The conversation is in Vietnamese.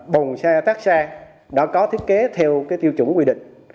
bồn xe tắt xe đã có thiết kế theo tiêu chủng quy định